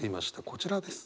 こちらです。